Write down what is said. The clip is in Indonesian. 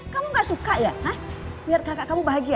kamu gak suka ya biar kakak kamu bahagia